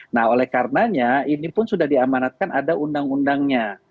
nah oleh karenanya ini pun sudah diamanatkan ada undang undangnya